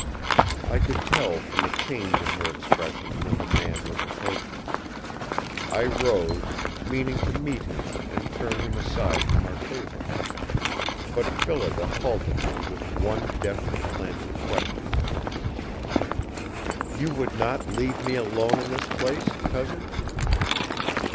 I could tell from the change in her expression when the man was approaching. I rose, meaning to meet him and turn him aside from our table. But Phillida halted me with one deftly planted question. "You would not leave me alone in this place, Cousin?"